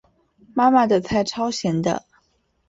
妈妈的菜超咸的